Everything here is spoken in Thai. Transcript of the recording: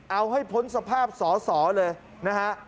เอาให้พ้นสภาพสอสอเลยนะฮะ